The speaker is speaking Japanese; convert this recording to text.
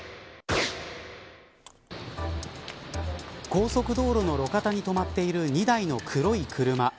高速道路の路肩に止まっている２台の黒い車。